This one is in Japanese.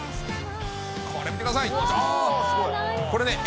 これ見てください。